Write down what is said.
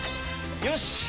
よし！